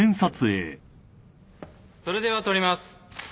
それでは撮ります。